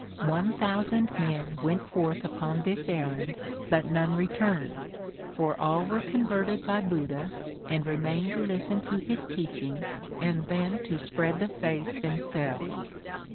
One thousand men went forth upon this errand, but none returned, for all were converted by Buddha and remained to listen to his teachings and then to spread the faith themselves.